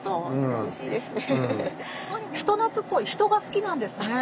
人懐っこい人が好きなんですね。